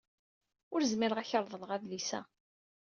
Ur zmireɣ ad ak-reḍleɣ adlis-a.